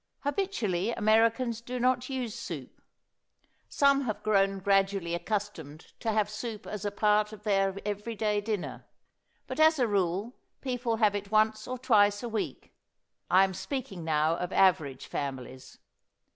Habitually, Americans do not use soup. Some have grown gradually accustomed to have soup as a part of their every day dinner, but as a rule people have it once or twice a week. I am speaking now of average families.